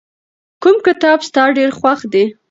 کوم کتاب ستا ډېر خوښ دی؟